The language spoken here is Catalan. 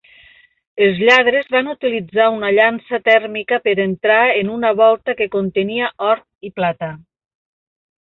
Els lladres van utilitzar una llança tèrmica per entrar en una volta que contenia or i plata.